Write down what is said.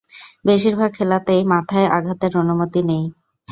বেশিরভাগ খেলাতেই মাথায় আঘাতের অনুমতি নেই।